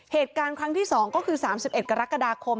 เหตุการณ์ครั้งที่๒ก็คือ๓๑กรกฎาคม